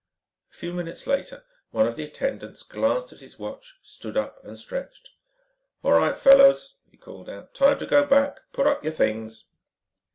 A few minutes later, one of the attendants glanced at his watch, stood up and stretched. "All right, fellows," he called out, "time to go back. Put up your things."